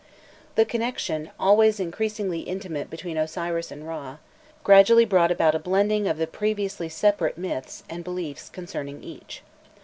The connection, always increasingly intimate between Osiris and Râ, gradually brought about a blending of the previously separate myths and beliefs concerning each.